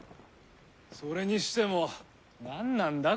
それにしても何なんだ？